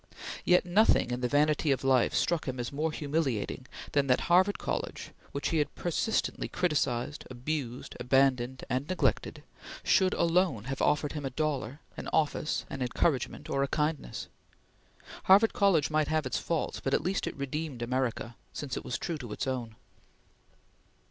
Yet nothing in the vanity of life struck him as more humiliating than that Harvard College, which he had persistently criticised, abused, abandoned, and neglected, should alone have offered him a dollar, an office, an encouragement, or a kindness. Harvard College might have its faults, but at least it redeemed America, since it was true to its own.